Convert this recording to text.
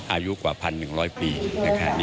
อายุกว่า๑๑๐๐ปีนะครับ